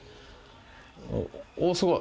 おぉすごい！